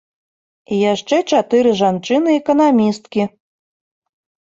І яшчэ чатыры жанчыны эканамісткі.